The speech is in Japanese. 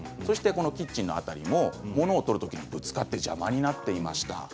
キッチンの辺りのものを取るときぶつかって邪魔になっていました。